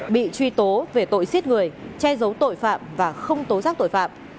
bị truy tố về tội giết người che giấu tội phạm và không tố giác tội phạm